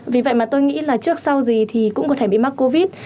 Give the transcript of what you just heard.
vì vậy mà tôi nghĩ là trước sau gì thì cũng có thể bị mắc covid